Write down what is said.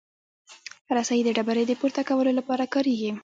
رسۍ د ډبرې د پورته کولو لپاره کارېږي.